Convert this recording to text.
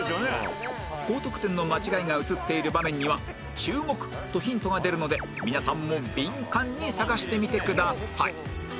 高得点の間違いが映っている場面には「注目」とヒントが出るので皆さんもビンカンに探してみてください